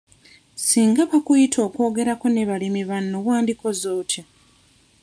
Singa bakuyita okwogerako ne balimi banno wandikoze otya?